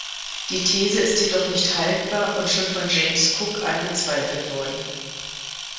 Die These ist jedoch nicht haltbar und schon von James Cook angezweifelt worden.